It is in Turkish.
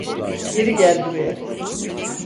Geri gel buraya!